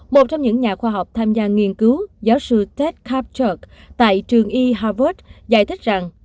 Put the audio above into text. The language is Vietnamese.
một trong những nhà khoa học tham gia nghiên cứu giáo sư tet capter tại trường y harvard giải thích rằng